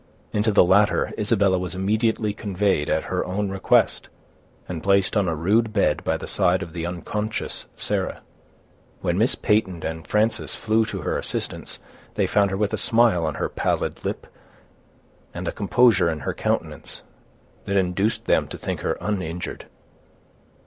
Into the latter Isabella was immediately conveyed, at her own request, and placed on a rude bed by the side of the unconscious Sarah. When Miss Peyton and Frances flew to her assistance, they found her with a smile on her pallid lip, and a composure in her countenance, that induced them to think her uninjured.